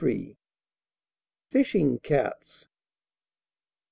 FISHING CATS.